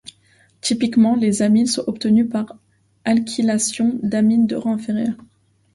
Typiquement, les amines sont obtenues par alkylation d'amines de rang inférieur.